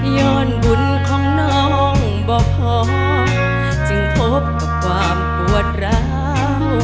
บุญของน้องบ่พอจึงพบกับความปวดร้าว